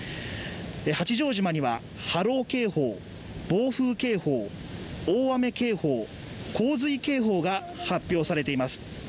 八丈島には波浪警報、暴風警報大雨警報、洪水警報が発表されています。